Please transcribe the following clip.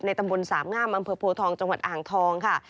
ตำบลสามงามอำเภอโพทองจังหวัดอ่างทองค่ะ